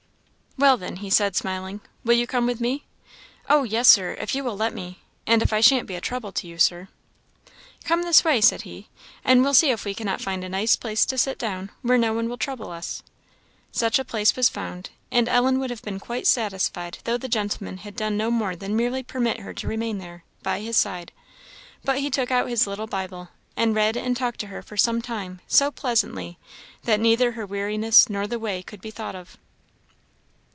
"Well, then," he, said smiling, "will you come with me?" "Oh yes, Sir! if you will let me and if I shan't be a trouble to you, Sir." "Come this way," said he, "and we'll see if we cannot find a nice place to sit down, where no one will trouble us." Such a place was found. And Ellen would have been quite satisfied though the gentleman had done no more than merely permit her to remain there, by his side; but he took out his little Bible, and read and talked to her for some time so pleasantly that neither her weariness nor the way could be thought of.